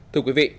thưa quý vị